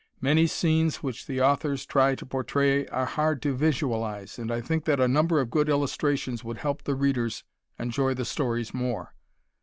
Many scenes which the authors try to portray are hard to visualize, and I think that a number of good illustrations would help the readers enjoy the stories more.